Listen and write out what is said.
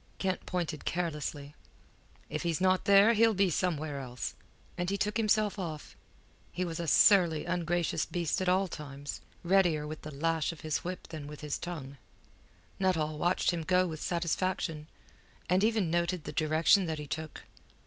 Kent pointed carelessly. "If he's not there, he'll be somewhere else." And he took himself off. He was a surly, ungracious beast at all times, readier with the lash of his whip than with his tongue. Nuttall watched him go with satisfaction, and even noted the direction that he took.